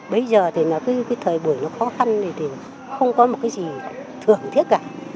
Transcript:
bây giờ thì cái thời buổi nó khó khăn thì không có một cái gì thưởng thiết cả